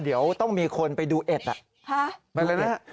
เดี๋ยวต้องมีคนไปดูเอ็ดอ่ะ